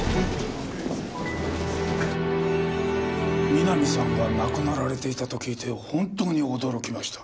三波さんが亡くなられていたと聞いて本当に驚きました。